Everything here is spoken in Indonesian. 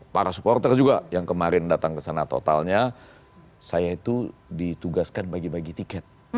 para supporter juga yang kemarin datang ke sana totalnya saya itu ditugaskan bagi bagi tiket